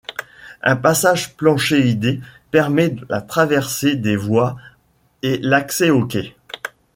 Un passage planchéié permet la traversée des voies et l'accès aux quais.